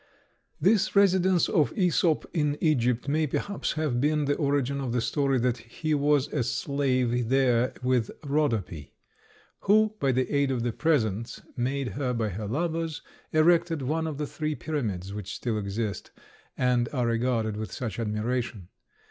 This residence of Æsop in Egypt may, perhaps, have been the origin of the story that he was a slave there with Rhodope, who, by the aid of the presents made her by her lovers, erected one of the three Pyramids which still exist, and are regarded with such admiration.